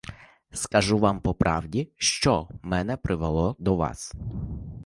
Скажу вам по правді, що мене привело до вас.